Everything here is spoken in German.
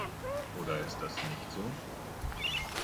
Oder ist das nicht so?